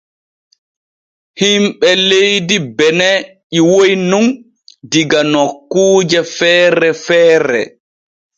Himɓe leydi Bene ƴiwoy nun diga nokkuuje feere feere.